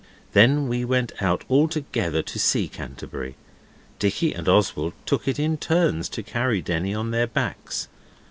Then we went out all together to see Canterbury. Dicky and Oswald took it in turns to carry Denny on their backs.